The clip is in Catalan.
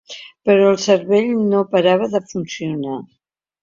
Però el cervell no parava de funcionar.